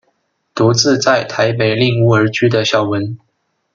独自在台北赁屋而居的小文。